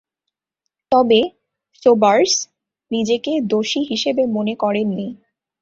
তবে, সোবার্স নিজেকে দোষী হিসেবে মনে করেননি।